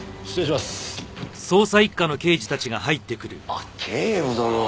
あっ警部殿。